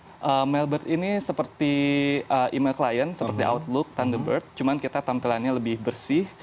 oke mailbird ini seperti email klien seperti outlook thunderbird cuman kita tampilannya lebih bersih